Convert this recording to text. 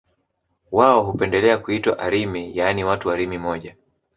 wao hupendelea kuitwa Arimi yaani watu wa Rimi moja